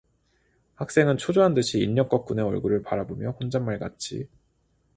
학생은 초조한 듯이 인력거꾼의 얼굴을 바라보며 혼자말같이